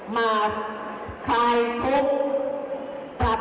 มา